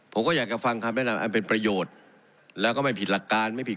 ผมก็อยากจะฟังคำแนะนำอันเป็นประโยชน์แล้วก็ไม่ผิดหลักการไม่ผิด